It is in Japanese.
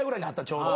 ちょうど。